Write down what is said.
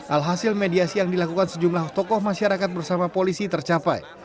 alhasil mediasi yang dilakukan sejumlah tokoh masyarakat bersama polisi tercapai